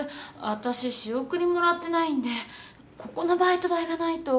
私仕送りもらってないんでここのバイト代がないと。